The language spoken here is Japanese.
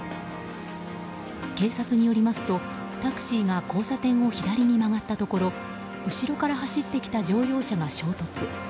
警察によりますとタクシーが交差点を左に曲がったところ後ろから走ってきた乗用車が衝突。